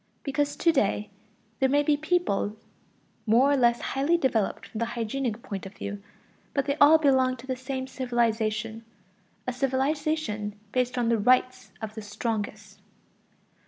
Because to day there may be peoples more or less highly developed from the hygienic point of view, but they all belong to the same civilization a civilization based on the right of the strongest.